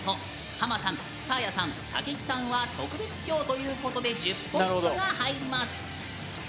ハマさん、サーヤさん武知さんは特別票ということで１０ポイントが入ります！